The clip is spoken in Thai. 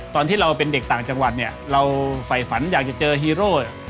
ตอนที่เราเป็นเด็กต่างจังหวัดเนี่ยเราฝ่ายฝันอยากจะเจอฮีโร่